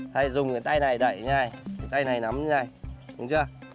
thì dùng cái tay này đẩy như thế này tay này nắm như thế này đúng chưa